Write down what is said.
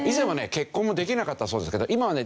結婚もできなかったそうですけど今はね